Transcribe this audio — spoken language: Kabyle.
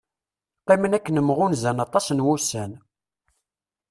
Qqimen akken mɣunzan aṭas n wussan.